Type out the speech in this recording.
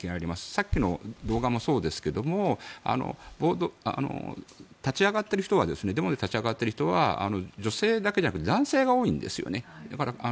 さっきの動画もそうですがデモで立ち上がっている人は女性だけじゃなくて男性が多いんですよね。